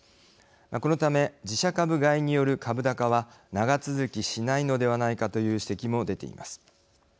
このため、自社株買いによる株高は長続きしないのではないかという指摘も出ています。